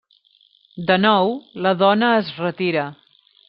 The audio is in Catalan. De nou la dona es retira.